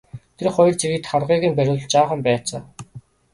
Тэр хоёр цэргийг тарвагыг нь бариулж жаахан байцаав.